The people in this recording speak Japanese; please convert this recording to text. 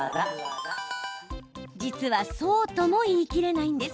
実は、そうとも言い切れないんです。